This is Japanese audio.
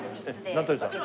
名取さん